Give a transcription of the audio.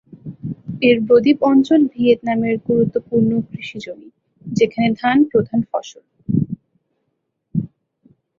এর বদ্বীপ অঞ্চল ভিয়েতনামের গুরুত্বপূর্ণ কৃষিজমি, যেখানে ধান প্রধান ফসল।